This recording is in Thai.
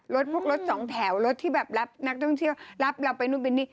รถพวกรถสองแถวรถที่แบบรับนักท่องเที่ยวรับเราไปนู่นไปนี่